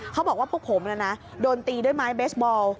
เขาบอกว่าพวกผมโดนตีด้วยไม้เบสบอล